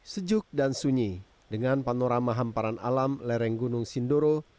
sejuk dan sunyi dengan panorama hamparan alam lereng gunung sindoro